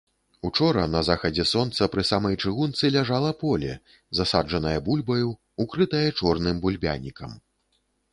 Учора на захадзе сонца пры самай чыгунцы ляжала поле, засаджанае бульбаю, укрытае чорным бульбянікам.